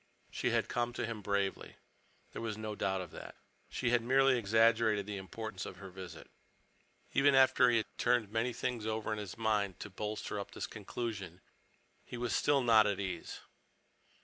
She had come to him bravely. There was no doubt of that. She had merely exaggerated the importance of her visit. Even after he had turned many things over in his mind to bolster up this conclusion, he was still not at ease.